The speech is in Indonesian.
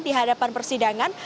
di hadapan persidangan